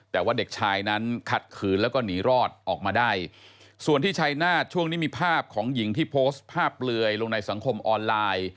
แต่ว่าเด็กชายนั้นขัดขืนแล้วก็หนีรอดออกมาได้ส่วนที่ชัยนาธิ์ช่วงนี้มีภาพของหญิงที่โพสต์ภาพเปลือยลงในสังคมออนไลน์